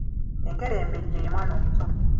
Enkerembejje ye Mwana omuto.